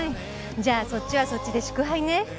じゃあそっちはそっちで祝杯ね。